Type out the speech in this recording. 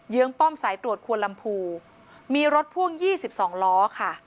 ื้องป้อมสายตรวจควนลำพูมีรถพ่วง๒๒ล้อค่ะ